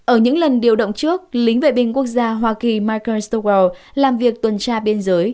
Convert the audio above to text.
ở những lần điều động trước lính vệ binh quốc gia hoa kỳ michain stowell làm việc tuần tra biên giới